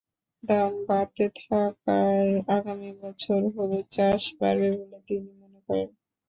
দাম বাড়তে থাকায় আগামী বছর হলুদ চাষ বাড়বে বলে তিনি মনে করেন।